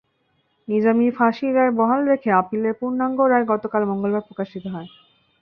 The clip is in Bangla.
নিজামীর ফাঁসির রায় বহাল রেখে আপিলের পূর্ণাঙ্গ রায় গতকাল মঙ্গলবার প্রকাশিত হয়।